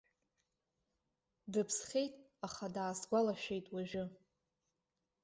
Дыԥсхьеит, аха даасгәалашәеит уажәы.